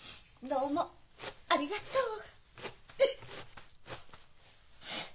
どうもありがとう。